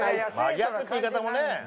真逆って言い方もね。